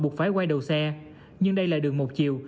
buộc phải quay đầu xe nhưng đây là đường một chiều